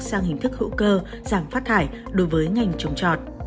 sang hình thức hữu cơ giảm phát thải đối với ngành trồng trọt